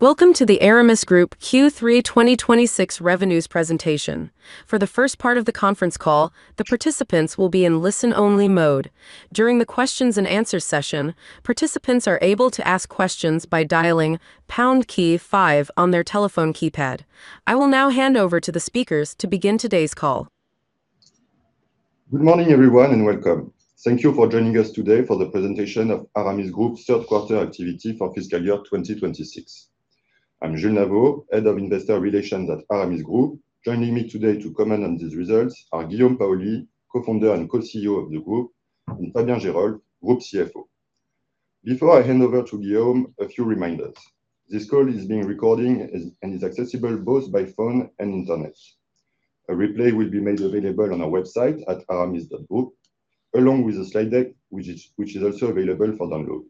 Welcome to the Aramis Group Q3 2026 revenues presentation. For the first part of the conference call, the participants will be in listen-only mode. During the questions-and-answers session, participants are able to ask questions by dialing pound key five on their telephone keypad. I will now hand over to the speakers to begin today's call. Good morning everyone, welcome. Thank you for joining us today for the presentation of Aramis Group third quarter activity for fiscal year 2026. I'm Jules Naveau, Head of Investor Relations at Aramis Group. Joining me today to comment on these results are Guillaume Paoli, Co-founder and Co-CEO of the group, and Fabien Geerolf, Group CFO. Before I hand over to Guillaume, a few reminders. This call is being recorded and is accessible both by phone and internet. A replay will be made available on our website at aramis.group, along with the slide deck, which is also available for download.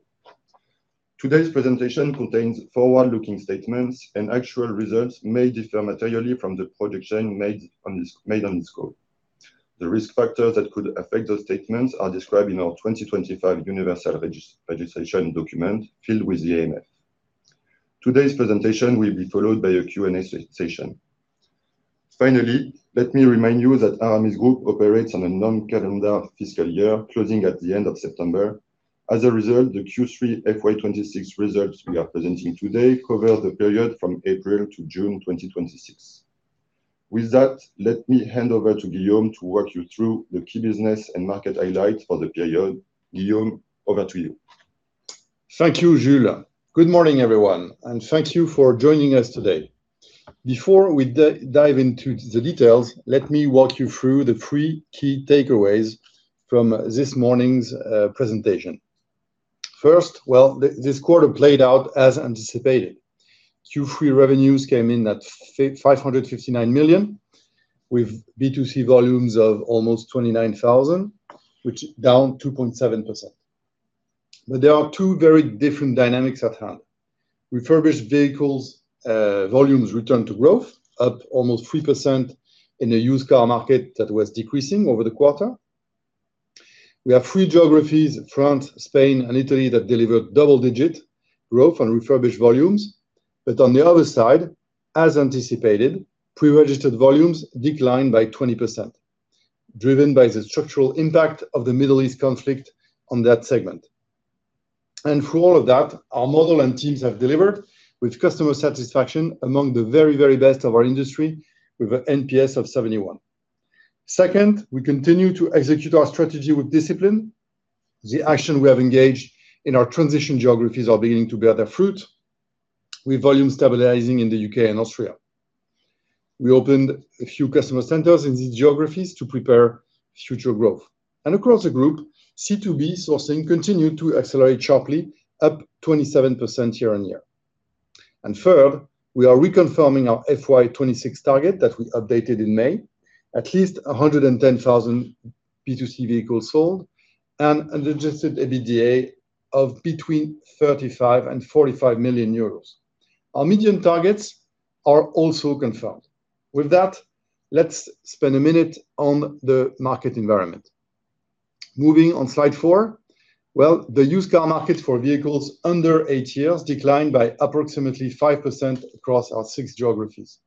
Today's presentation contains forward-looking statements and actual results may differ materially from the predictions made on this call. The risk factors that could affect those statements are described in our 2025 universal registration document, filed with the AMF. Today's presentation will be followed by a Q&A session. Let me remind you that Aramis Group operates on a non-calendar fiscal year, closing at the end of September. As a result, the Q3 FY 2026 results we are presenting today cover the period from April to June 2026. Let me hand over to Guillaume to walk you through the key business and market highlights for the period. Guillaume, over to you. Thank you, Jules. Good morning, everyone, thank you for joining us today. Before we dive into the details, let me walk you through the three key takeaways from this morning's presentation. First, this quarter played out as anticipated. Q3 revenues came in at 559 million, with B2C volumes of almost 29,000, which is down 2.7%. There are two very different dynamics at hand. Refurbished vehicles volumes returned to growth, up almost 3% in a used car market that was decreasing over the quarter. We have three geographies, France, Spain and Italy, that delivered double-digit growth on refurbished volumes. On the other side, as anticipated, pre-registered volumes declined by 20%, driven by the structural impact of the Middle East conflict on that segment. Through all of that, our model and teams have delivered, with customer satisfaction among the very best of our industry, with an NPS of 71. Second, we continue to execute our strategy with discipline. The action we have engaged in our transition geographies are beginning to bear their fruit, with volume stabilizing in the U.K. and Austria. We opened a few customer centers in these geographies to prepare future growth. Across the group, C2B sourcing continued to accelerate sharply, up 27% year-on-year. Third, we are reconfirming our FY 2026 target that we updated in May. At least 110,000 B2C vehicles sold and adjusted EBITDA of between 35 million and 45 million euros. Our medium targets are also confirmed. With that, let's spend a minute on the market environment. Moving on slide four. Well, the used car market for vehicles under eight years declined by approximately 5% across our six geographies.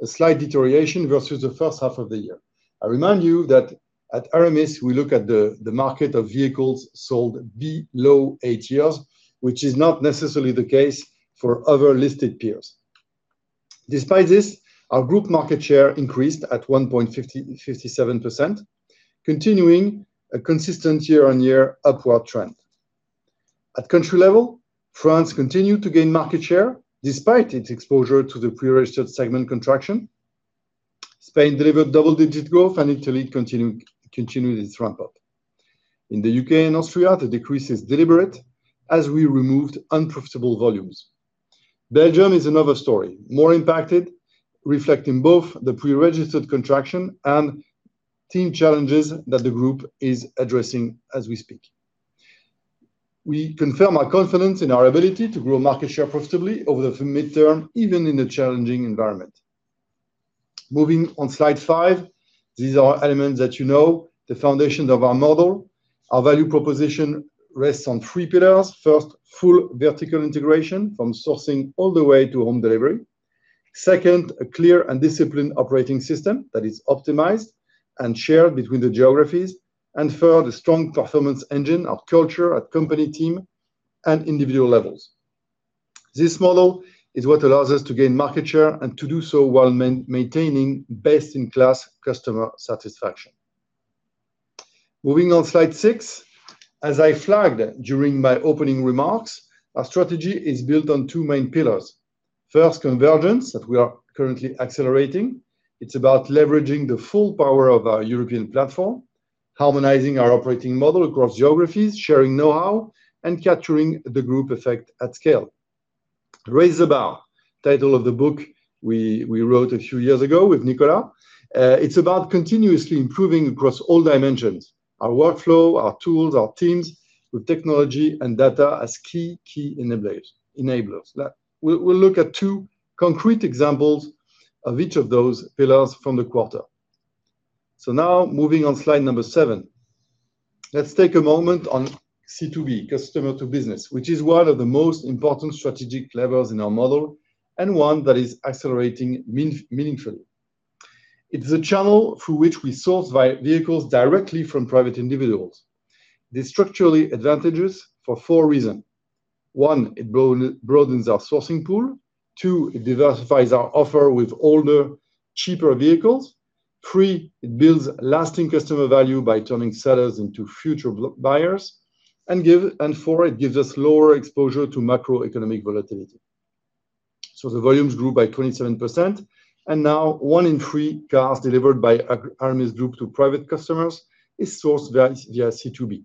A slight deterioration versus the first half of the year. I remind you that at Aramis, we look at the market of vehicles sold below eight years, which is not necessarily the case for other listed peers. Despite this, our group market share increased at 1.57%, continuing a consistent year-on-year upward trend. At country level, France continued to gain market share despite its exposure to the pre-registered segment contraction. Spain delivered double-digit growth, and Italy continued its ramp-up. In the U.K. and Austria, the decrease is deliberate as we removed unprofitable volumes. Belgium is another story, more impacted, reflecting both the pre-registered contraction and team challenges that the group is addressing as we speak. We confirm our confidence in our ability to grow market share profitably over the mid-term, even in a challenging environment. Moving on slide five. These are elements that you know, the foundations of our model. Our value proposition rests on three pillars. First, full vertical integration from sourcing all the way to home delivery. Second, a clear and disciplined operating system that is optimized and shared between the geographies. Third, a strong performance engine. Our culture at company team and individual levels. This model is what allows us to gain market share and to do so while maintaining best-in-class customer satisfaction. Moving on slide six. As I flagged during my opening remarks, our strategy is built on two main pillars. First, convergence, that we are currently accelerating. It's about leveraging the full power of our European platform, harmonizing our operating model across geographies, sharing knowhow, and capturing the group effect at scale. "Raise the Bar," title of the book we wrote a few years ago with Nicolas. It's about continuously improving across all dimensions our workflow, our tools, our teams, with technology and data as key enablers. We'll look at two concrete examples of each of those pillars from the quarter. Now moving on slide number seven. Let's take a moment on C2B, customer to business, which is one of the most important strategic levers in our model and one that is accelerating meaningfully. It's a channel through which we source vehicles directly from private individuals. It's structurally advantageous for four reasons. One, it broadens our sourcing pool. Two, it diversifies our offer with older, cheaper vehicles. Three, it builds lasting customer value by turning sellers into future buyers. Four, it gives us lower exposure to macroeconomic volatility. The volumes grew by 27%, and now one in three cars delivered by Aramis Group to private customers is sourced via C2B.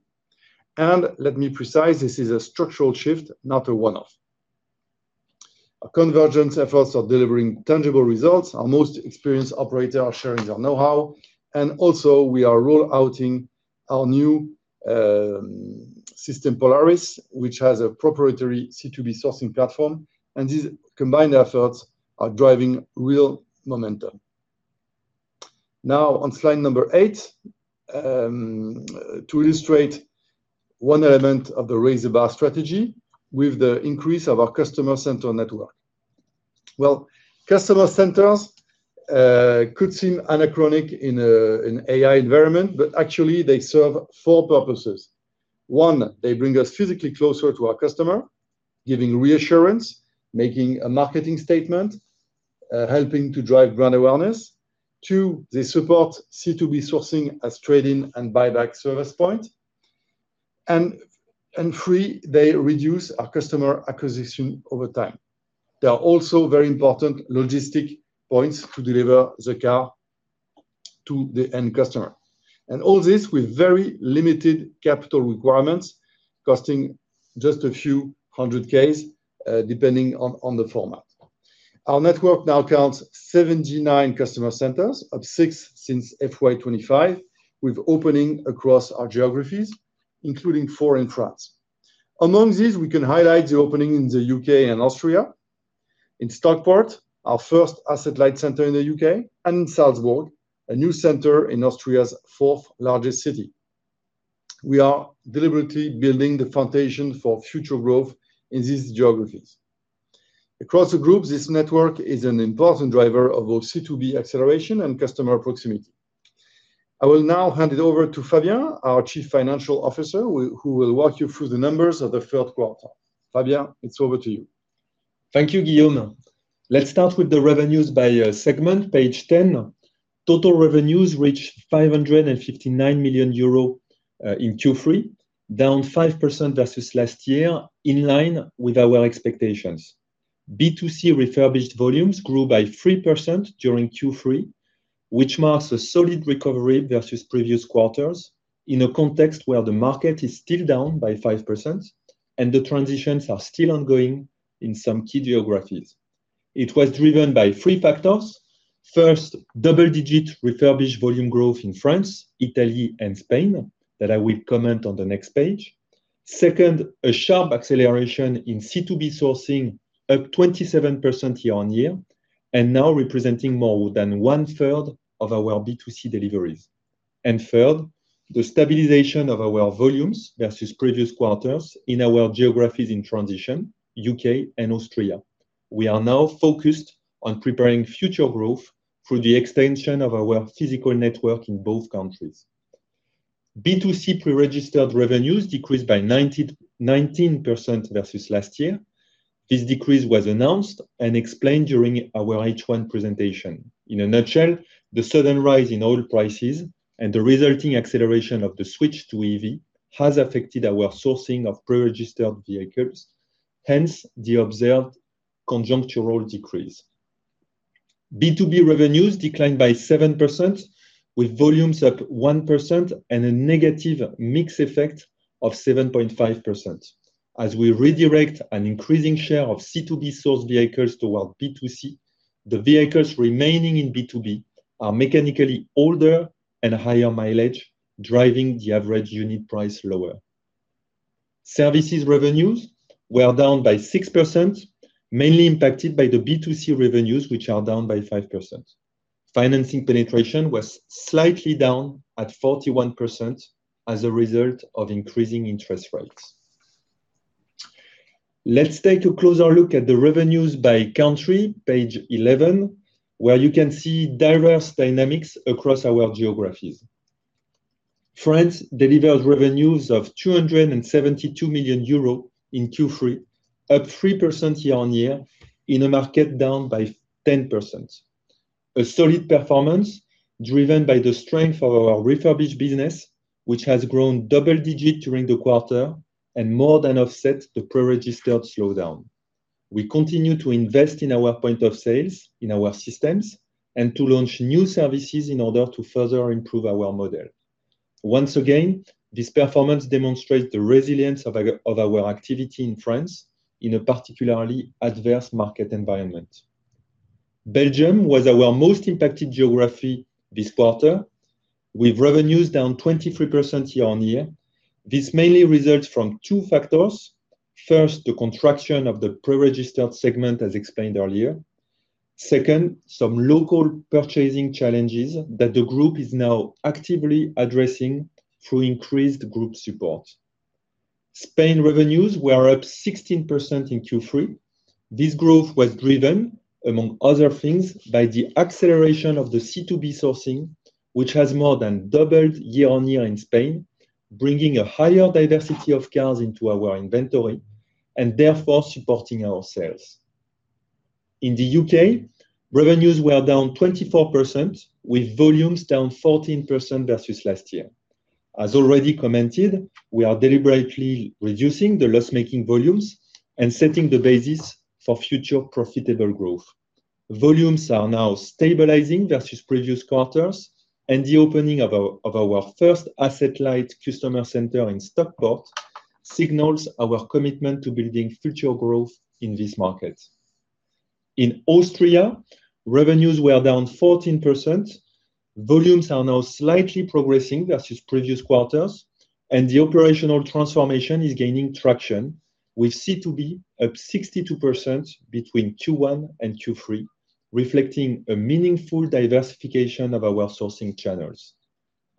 Let me precise, this is a structural shift, not a one-off. Our convergence efforts are delivering tangible results. Our most experienced operators are sharing their know-how. Also we are rolling out our new system, Polaris, which has a proprietary C2B sourcing platform. These combined efforts are driving real momentum. On slide number eight, to illustrate one element of the Raise the Bar strategy with the increase of our customer center network. Customer centers could seem anachronic in an AI environment, but actually they serve four purposes. One, they bring us physically closer to our customer, giving reassurance, making a marketing statement, helping to drive brand awareness. Two, they support C2B sourcing as trade-in and buyback service point. Three, they reduce our customer acquisition over time. They are also very important logistic points to deliver the car to the end customer. All this with very limited capital requirements, costing just a few hundred EUR thousand, depending on the format. Our network now counts 79 customer centers, up six since FY 2025, with opening across our geographies, including four in France. Among these, we can highlight the opening in the U.K. and Austria. In Stockport, our first asset light center in the U.K., and in Salzburg, a new center in Austria's fourth-largest city. We are deliberately building the foundation for future growth in these geographies. Across the group, this network is an important driver of both C2B acceleration and customer proximity. I will now hand it over to Fabien, our Chief Financial Officer, who will walk you through the numbers of the third quarter. Fabien, it's over to you. Thank you, Guillaume. Let's start with the revenues by segment, page 10. Total revenues reached 559 million euro in Q3, down 5% versus last year, in line with our expectations. B2C refurbished volumes grew by 3% during Q3, which marks a solid recovery versus previous quarters in a context where the market is still down by 5% and the transitions are still ongoing in some key geographies. It was driven by three factors. First, double-digit refurbished volume growth in France, Italy, and Spain that I will comment on the next page. Second, a sharp acceleration in C2B sourcing, up 27% year-on-year, and now representing more than one-third of our B2C deliveries. Third, the stabilization of our volumes versus previous quarters in our geographies in transition, U.K. and Austria. We are now focused on preparing future growth through the extension of our physical network in both countries. B2C pre-registered revenues decreased by 19% versus last year. This decrease was announced and explained during our H1 presentation. In a nutshell, the sudden rise in oil prices and the resulting acceleration of the switch to EV has affected our sourcing of pre-registered vehicles, hence the observed conjunctural decrease. B2B revenues declined by 7%, with volumes up 1% and a negative mix effect of 7.5%. As we redirect an increasing share of C2B-sourced vehicles toward B2C, the vehicles remaining in B2B are mechanically older and higher mileage, driving the average unit price lower. Services revenues were down by 6%, mainly impacted by the B2C revenues, which are down by 5%. Financing penetration was slightly down at 41% as a result of increasing interest rates. Let's take a closer look at the revenues by country, page 11, where you can see diverse dynamics across our geographies. France delivered revenues of 272 million euros in Q3, up 3% year-on-year in a market down by 10%. A solid performance driven by the strength of our refurbished business, which has grown double digit during the quarter and more than offset the pre-registered slowdown. We continue to invest in our points of sale in our systems and to launch new services in order to further improve our model. Once again, this performance demonstrates the resilience of our activity in France in a particularly adverse market environment. Belgium was our most impacted geography this quarter, with revenues down 23% year-on-year. This mainly results from two factors. First, the contraction of the pre-registered segment as explained earlier. Second, some local purchasing challenges that the group is now actively addressing through increased group support. Spain revenues were up 16% in Q3. This growth was driven, among other things, by the acceleration of the C2B sourcing, which has more than doubled year-on-year in Spain, bringing a higher diversity of cars into our inventory, and therefore supporting our sales. In the U.K., revenues were down 24%, with volumes down 14% versus last year. As already commented, we are deliberately reducing the loss-making volumes and setting the basis for future profitable growth. Volumes are now stabilizing versus previous quarters, and the opening of our first asset-light customer center in Stockport signals our commitment to building future growth in this market. In Austria, revenues were down 14%. Volumes are now slightly progressing versus previous quarters, and the operational transformation is gaining traction, with C2B up 62% between Q1 and Q3, reflecting a meaningful diversification of our sourcing channels.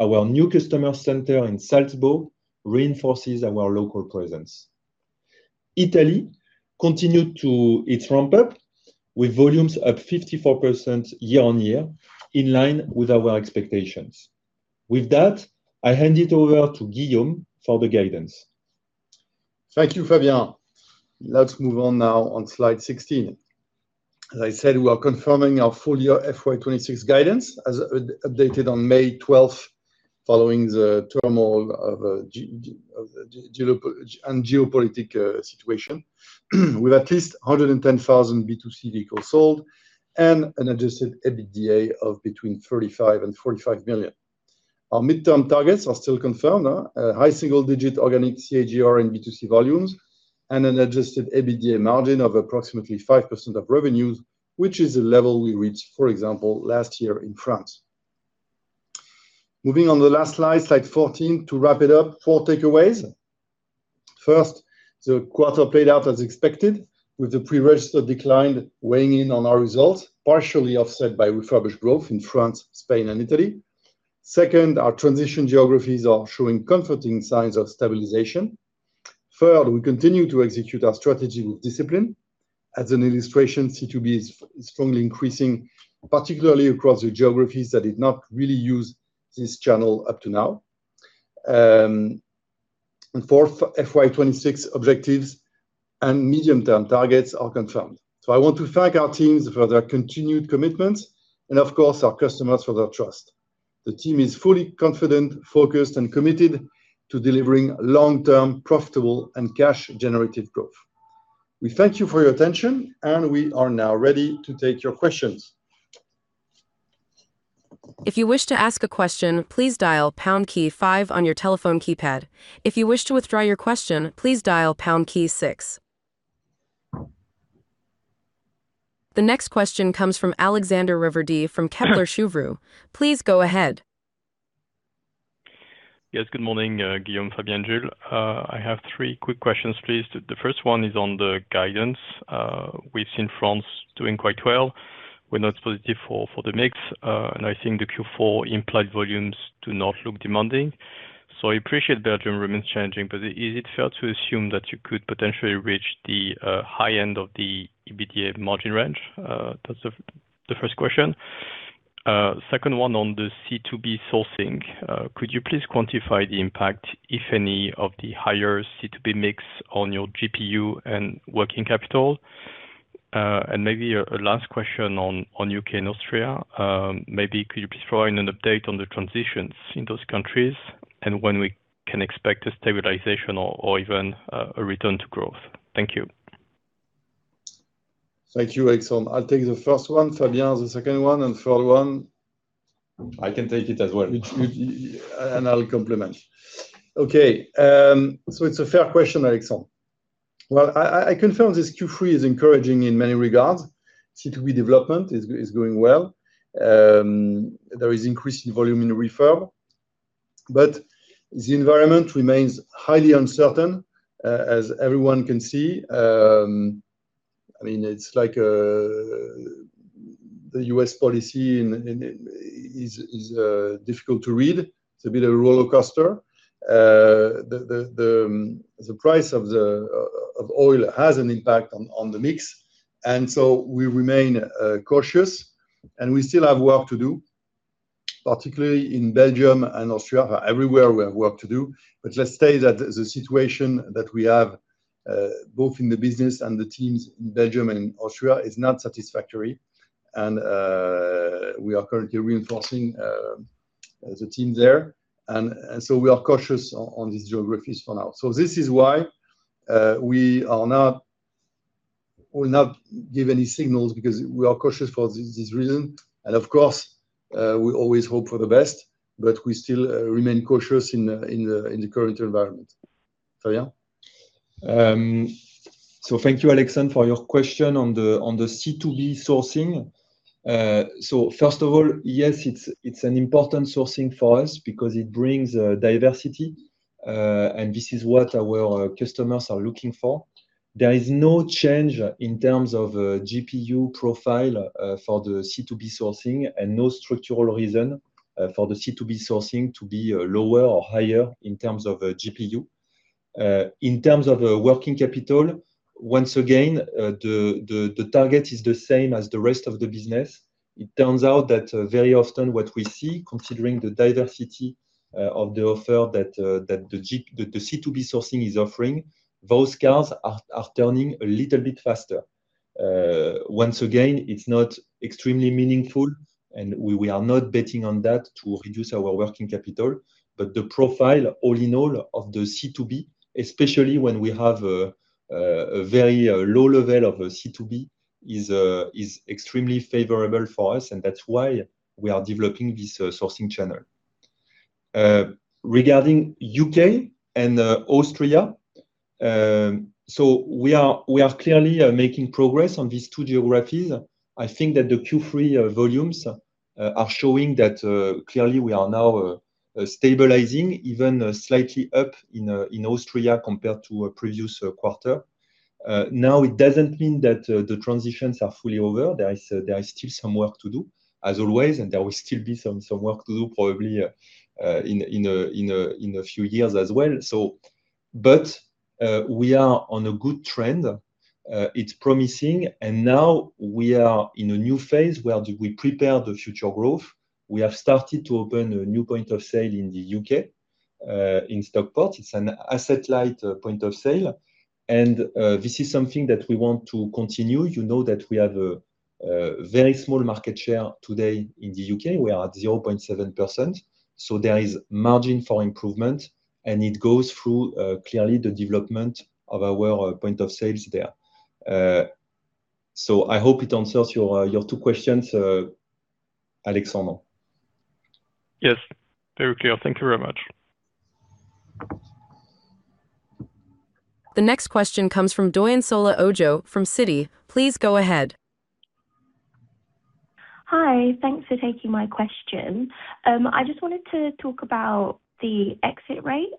Our new customer center in Salzburg reinforces our local presence. Italy continued its ramp-up, with volumes up 54% year-on-year, in line with our expectations. With that, I hand it over to Guillaume for the guidance. Thank you, Fabien. Let's move on now on slide 16. As I said, we are confirming our full year FY 2026 guidance as updated on May 12th, following the turmoil of geo- and geopolitical situation with at least 110,000 B2C vehicles sold and an adjusted EBITDA of between 35 million and 45 million. Our midterm targets are still confirmed. A high single-digit organic CAGR in B2C volumes and an adjusted EBITDA margin of approximately 5% of revenues, which is a level we reached, for example, last year in France. Moving on the last slide 14, to wrap it up. Four takeaways. First, the quarter played out as expected, with the pre-register decline weighing in on our results, partially offset by refurbished growth in France, Spain and Italy. Second, our transition geographies are showing comforting signs of stabilization. Third, we continue to execute our strategy with discipline. As an illustration, C2B is strongly increasing, particularly across the geographies that did not really use this channel up to now. Fourth, FY 2026 objectives and medium-term targets are confirmed. I want to thank our teams for their continued commitment and of course, our customers for their trust. The team is fully confident, focused, and committed to delivering long-term, profitable, and cash-generative growth. We thank you for your attention, and we are now ready to take your questions. If you wish to ask a question, please dial pound key five on your telephone keypad. If you wish to withdraw your question, please dial pound key six. The next question comes from Alexandre Raverdy from Kepler Cheuvreux. Please go ahead. Yes, good morning, Guillaume, Fabien, Jules. I have three quick questions, please. The first one is on the guidance. We've seen France doing quite well. We're not positive for the mix, and I think the Q4 implied volumes do not look demanding. I appreciate Belgium remains challenging, but is it fair to assume that you could potentially reach the high end of the EBITDA margin range? That's the first question. Second one on the C2B sourcing. Could you please quantify the impact, if any, of the higher C2B mix on your GPU and working capital? Maybe a last question on U.K. and Austria. Maybe could you please provide an update on the transitions in those countries and when we can expect a stabilization or even a return to growth? Thank you. Thank you, Alexandre. I'll take the first one, Fabien, the second one, and third one. I can take it as well. I'll complement. Okay, it's a fair question, Alexandre. Well, I confirm this Q3 is encouraging in many regards. C2B development is going well. There is increase in volume in refurb. The environment remains highly uncertain, as everyone can see. It's like the U.S. policy is difficult to read. It's a bit of a rollercoaster. The price of oil has an impact on the mix, we remain cautious, and we still have work to do, particularly in Belgium and Austria. Everywhere, we have work to do. Let's say that the situation that we have, both in the business and the teams in Belgium and in Austria, is not satisfactory. We are currently reinforcing the team there. We are cautious on these geographies for now. This is why we will not give any signals, because we are cautious for this reason. Of course, we always hope for the best, but we still remain cautious in the current environment. Fabien? Thank you, Alexandre, for your question on the C2B sourcing. First of all, yes, it's an important sourcing for us because it brings diversity, and this is what our customers are looking for. There is no change in terms of GPU profile for the C2B sourcing and no structural reason for the C2B sourcing to be lower or higher in terms of GPU. In terms of working capital, once again, the target is the same as the rest of the business. It turns out that very often what we see, considering the diversity of the offer that the C2B sourcing is offering, those cars are turning a little bit faster. Once again, it's not extremely meaningful, and we are not betting on that to reduce our working capital. The profile, all in all, of the C2B, especially when we have a very low level of C2B, is extremely favorable for us, and that's why we are developing this sourcing channel. Regarding U.K. and Austria, we are clearly making progress on these two geographies. I think that the Q3 volumes are showing that clearly we are now stabilizing, even slightly up in Austria compared to a previous quarter. It doesn't mean that the transitions are fully over. There is still some work to do, as always, and there will still be some work to do probably in a few years as well. We are on a good trend. It's promising. Now we are in a new phase where we prepare the future growth. We have started to open a new point of sale in the U.K., in Stockport. It's an asset-light point of sale. This is something that we want to continue. You know that we have a very small market share today in the U.K. We are at 0.7%. There is margin for improvement, and it goes through, clearly, the development of our point of sales there. I hope it answers your two questions, Alexandre. Yes. Very clear. Thank you very much. The next question comes from Doyinsola Ojo from Citi. Please go ahead. Hi. Thanks for taking my question. I just wanted to talk about the exit rate.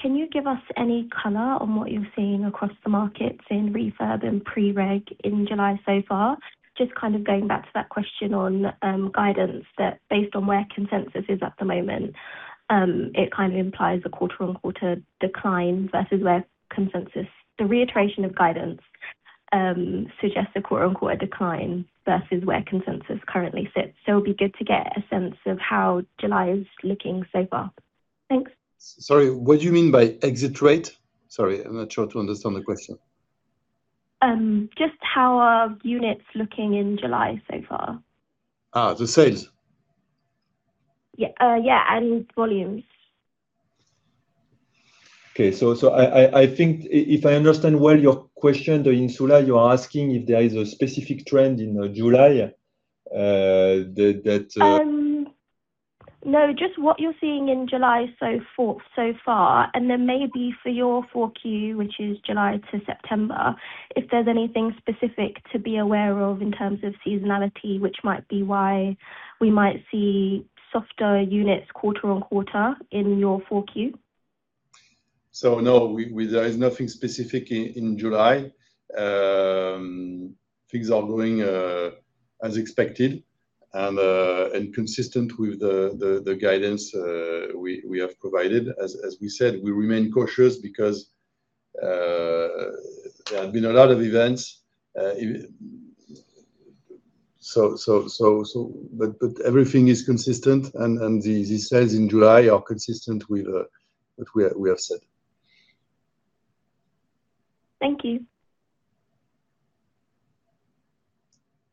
Can you give us any color on what you're seeing across the markets in refurb and pre-reg in July so far? Just kind of going back to that question on guidance that based on where consensus is at the moment, it kind of implies a quarter-on-quarter decline versus where the reiteration of guidance suggests a quarter-on-quarter decline versus where consensus currently sits. It'll be good to get a sense of how July is looking so far. Thanks. Sorry, what do you mean by exit rate? Sorry, I'm not sure to understand the question. Just how are units looking in July so far? The sales. Yeah, and volumes. Okay. I think if I understand well your question, Doyinsola, you are asking if there is a specific trend in July that- No, just what you're seeing in July so far, and then maybe for your full Q, which is July to September, if there's anything specific to be aware of in terms of seasonality, which might be why we might see softer units quarter-on-quarter in your full Q. No, there is nothing specific in July. Things are going as expected and consistent with the guidance we have provided. As we said, we remain cautious because there have been a lot of events. Everything is consistent, and the sales in July are consistent with what we have said. Thank you.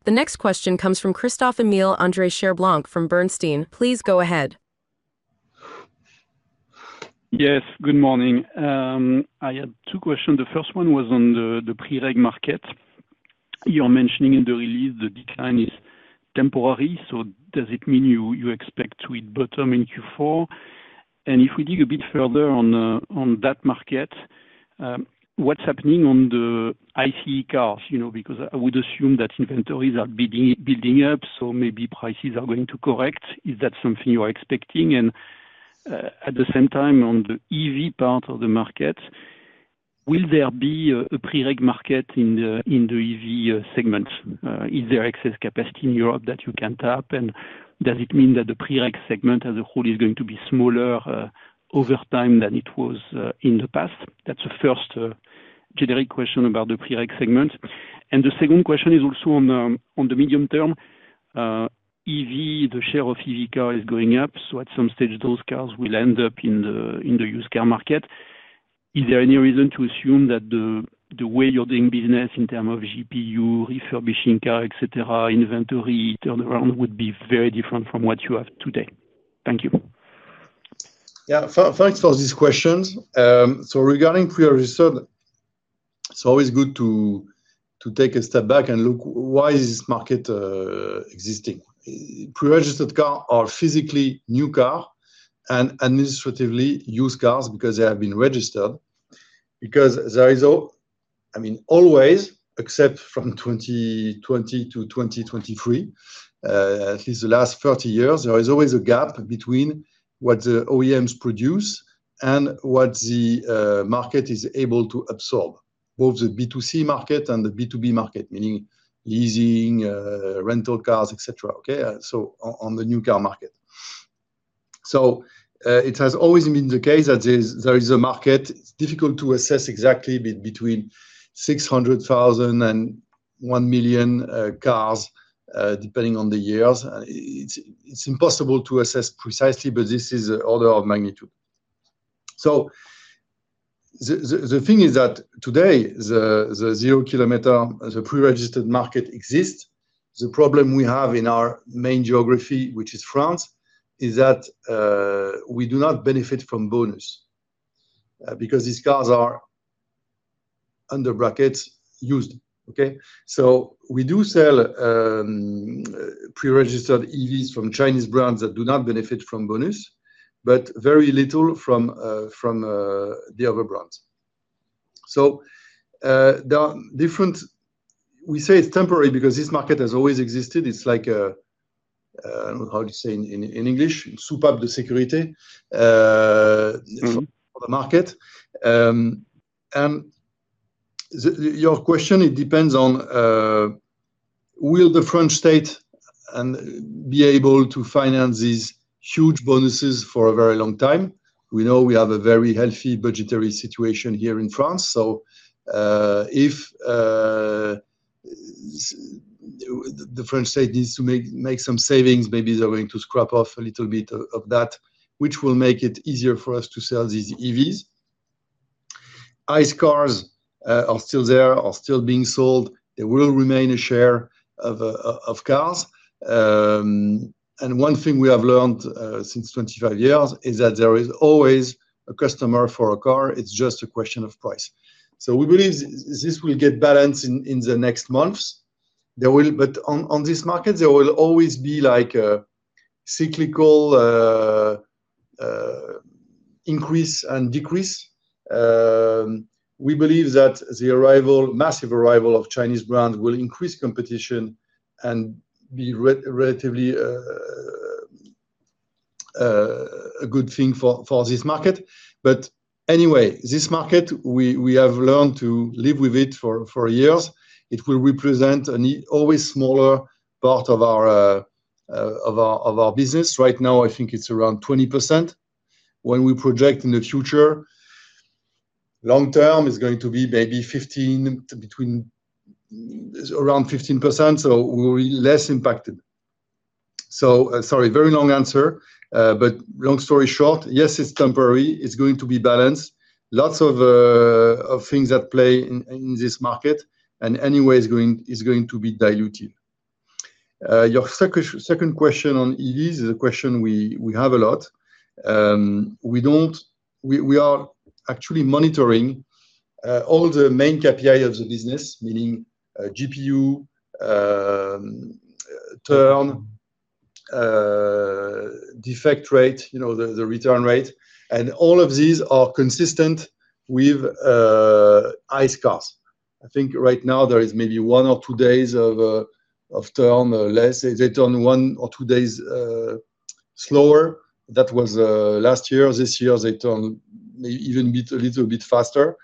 The next question comes from Christophe Emile Andre Cherblanc from Bernstein. Please go ahead. Yes, good morning. I have two questions. The first one was on the pre-reg market. You're mentioning in the release the decline is temporary, does it mean you expect to hit bottom in Q4? If we dig a bit further on that market, what's happening on the ICE cars? I would assume that inventories are building up, so maybe prices are going to correct. Is that something you are expecting? At the same time, on the EV part of the market, will there be a pre-reg market in the EV segment? Is there excess capacity in Europe that you can tap? Does it mean that the pre-reg segment as a whole is going to be smaller over time than it was in the past? That's the first generic question about the pre-reg segment. The second question is also on the medium term. EV, the share of EV car is going up. At some stage, those cars will end up in the used car market. Is there any reason to assume that the way you're doing business in terms of GPU, refurbishing car, et cetera, inventory turnaround would be very different from what you have today? Thank you. Yeah. Thanks for these questions. Regarding pre-reg. It's always good to take a step back and look why is this market existing. Pre-registered cars are physically new cars and administratively used cars because they have been registered. There is, always, except from 2020 to 2023, at least the last 30 years, there is always a gap between what the OEMs produce and what the market is able to absorb, both the B2C market and the B2B market, meaning leasing, rental cars, et cetera, okay? On the new car market. It has always been the case that there is a market. It's difficult to assess exactly between 600,000 and one million cars, depending on the years. It's impossible to assess precisely, but this is the order of magnitude. The thing is that today, the zero-kilometer, the pre-registered market exists. The problem we have in our main geography, which is France, is that we do not benefit from bonus because these cars are under brackets used, okay? We do sell pre-registered EVs from Chinese brands that do not benefit from bonus, but very little from the other brands. We say it's temporary because this market has always existed. It's like a, how do you say in English? Soup of the security for the market. Your question, it depends on will the French state be able to finance these huge bonuses for a very long time? We know we have a very healthy budgetary situation here in France. If the French state needs to make some savings, maybe they're going to scrap off a little bit of that, which will make it easier for us to sell these EVs. ICE cars are still there, are still being sold. They will remain a share of cars. One thing we have learned since 25 years is that there is always a customer for a car. It's just a question of price. We believe this will get balanced in the next months. On this market, there will always be like a cyclical increase and decrease. We believe that the massive arrival of Chinese brands will increase competition and be relatively a good thing for this market. Anyway, this market, we have learned to live with it for years. It will represent an always smaller part of our business. Right now, I think it's around 20%. When we project in the future, long term, it's going to be maybe 15% around 15%, so we'll be less impacted. Sorry, very long answer. Long story short, yes, it's temporary. It's going to be balanced. Lots of things at play in this market, and anyway, it's going to be diluted. Your second question on EVs is a question we have a lot. We are actually monitoring all the main KPI of the business, meaning GPU turn, defect rate, the return rate, and all of these are consistent with ICE cars. I think right now there is maybe one or two days of turn less. They turn one or two days slower. That was last year. This year, they turn even a little bit faster.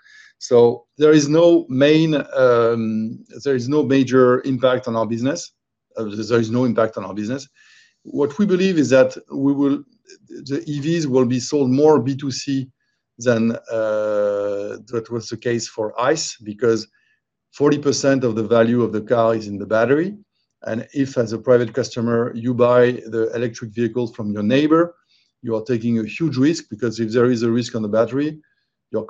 There is no major impact on our business. There is no impact on our business. What we believe is that the EVs will be sold more B2C than that was the case for ICE because 40% of the value of the car is in the battery. If, as a private customer, you buy the electric vehicle from your neighbor, you are taking a huge risk because if there is a risk on the battery, your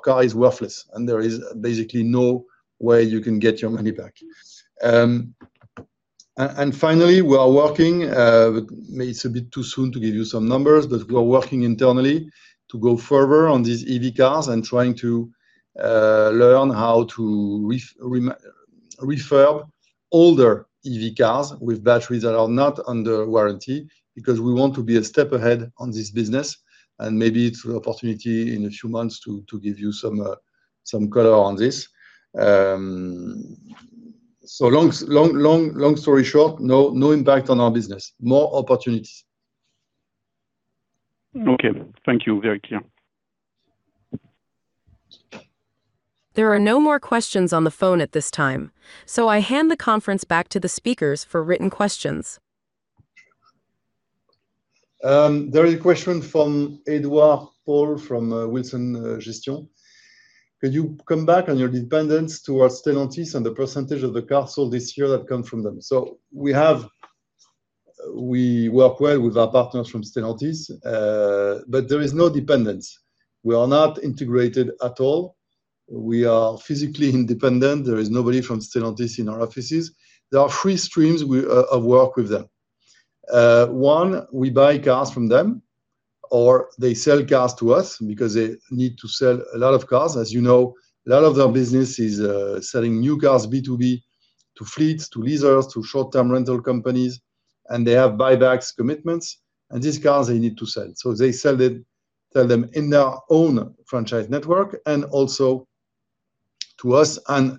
car is worthless and there is basically no way you can get your money back. Finally, we are working, it's a bit too soon to give you some numbers, but we are working internally to go further on these EV cars and trying to learn how to refurb older EV cars with batteries that are not under warranty because we want to be a step ahead on this business and maybe it's an opportunity in a few months to give you some color on this. Long story short, no impact on our business. More opportunities. Okay. Thank you. Very clear. There no more question on the phone this time, so I hand the conference back to the speakers for written questions. There is a question from Edward Paul from Wilson Gestion. Could you come back on your dependence towards Stellantis and the percentage of the cars sold this year that come from them? We work well with our partners from Stellantis, but there is no dependence. We are not integrated at all. We are physically independent. There is nobody from Stellantis in our offices. There are one free streams of work with them. One, we buy cars from them, or they sell cars to us because they need to sell a lot of cars. As you know, a lot of their business is selling new cars B2B, to fleets, to leasers, to short-term rental companies, and they have buybacks commitments, and these cars they need to sell. They sell them in their own franchise network and also to us and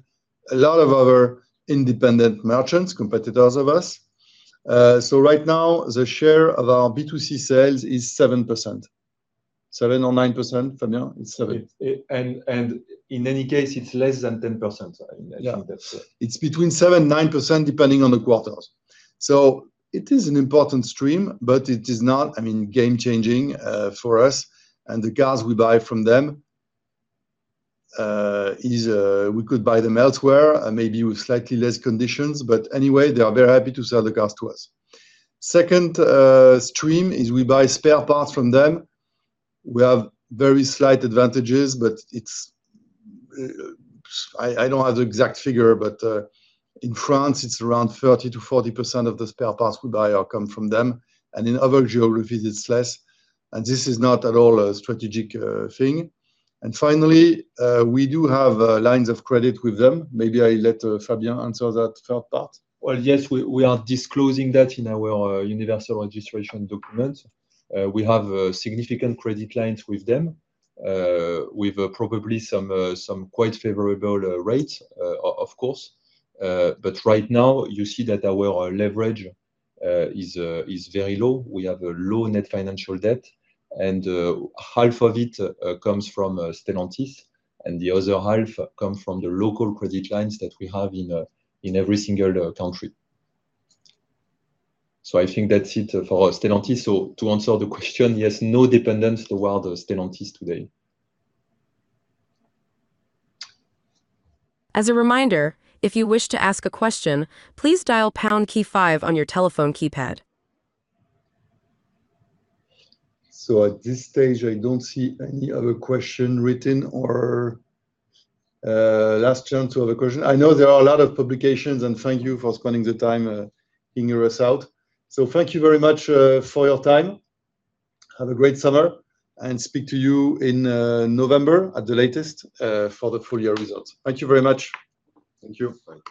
a lot of other independent merchants, competitors of us. Right now, the share of our B2C sales is 7%. 7% or 9%, Fabien? It's 7%. In any case, it's less than 10%. I think that's it. Yeah. It's between 7% and 9%, depending on the quarters. It is an important stream, but it is not game-changing for us. The cars we buy from them, we could buy them elsewhere, maybe with slightly less conditions, but anyway, they are very happy to sell the cars to us. Second stream is we buy spare parts from them. We have very slight advantages, but I don't have the exact figure, but in France it's around 30%-40% of the spare parts we buy come from them. In other geographies it's less, and this is not at all a strategic thing. Finally, we do have lines of credit with them. Maybe I let Fabien answer that third part. Well, yes, we are disclosing that in our universal registration document. We have significant credit lines with them, with probably some quite favorable rates, of course. Right now, you see that our leverage is very low. We have a low net financial debt, and half of it comes from Stellantis, and the other half comes from the local credit lines that we have in every single country. I think that's it for Stellantis. To answer the question, yes, no dependence toward Stellantis today. As a reminder, if you wish to ask a question, please dial pound key five on your telephone keypad. At this stage, I don't see any other question written or last chance to have a question. I know there are a lot of publications, and thank you for spending the time hearing us out. Thank you very much for your time. Have a great summer, and speak to you in November at the latest for the full year results. Thank you very much. Thank you. Thank you.